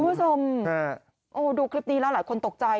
คุณผู้ชมดูคลิปนี้แล้วอร่อยคนตกใจ